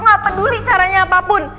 gak peduli caranya apapun